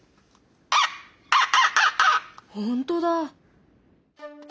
ほんとだ。